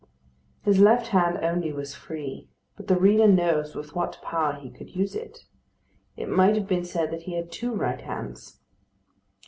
His left hand only was free; but the reader knows with what power he could use it. It might have been said that he had two right hands.